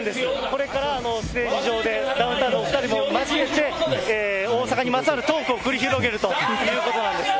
これからステージ上でダウンタウンのお２人を交えて、大阪にまつわるトークを繰り広げるということなんです。